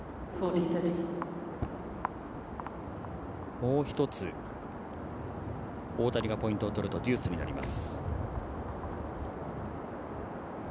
もう１つ、大谷がポイントを取るとデュースになります。